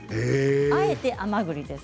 あえて甘ぐりです。